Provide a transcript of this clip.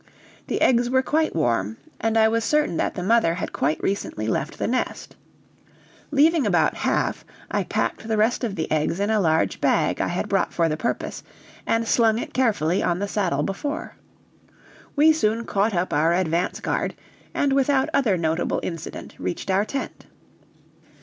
The eggs were quite warm, and I was certain that the mother had quite recently left the nest; leaving about half, I packed the rest of the eggs in a large bag I had brought for the purpose, and slung it carefully on the saddle before. We soon caught up our advance guard, and without other notable incident reached our tent.